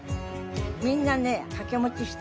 みんなね。